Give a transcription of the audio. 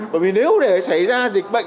bởi vì nếu để xảy ra dịch bệnh